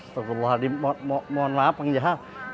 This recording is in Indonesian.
tunggu wadih mohon maaf kang jah